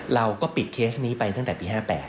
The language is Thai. เราก็ปิดเคสนี้ไปตั้งแต่ปี๕๘